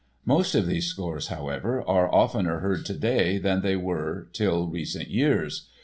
Most of these scores, however, are oftener heard today than they were till recent years.